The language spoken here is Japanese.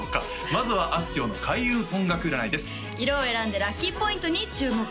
まずはあすきょうの開運音楽占いです色を選んでラッキーポイントに注目！